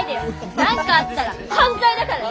何かあったら犯罪だからね！